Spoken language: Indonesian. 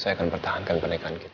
saya akan pertahankan pernikahan kita